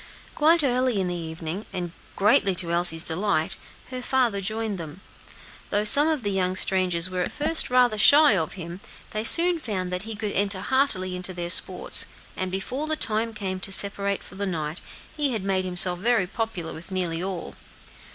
Quite early in the evening, and greatly to Elsie's delight, her father joined them; and, though some of the young strangers were at first rather shy of him, they soon found that he could enter heartily into their sports, and before the time came to separate for the night, he had made himself very popular with nearly all.